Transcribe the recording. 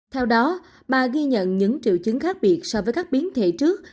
theo đó bà ghi nhận những triệu chứng khác biệt so với các biến thể trước